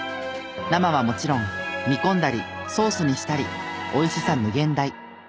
生はもちろん煮込んだりソースにしたりおいしさ無限大。